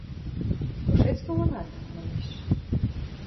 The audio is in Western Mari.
– Кышец толынат? – манеш.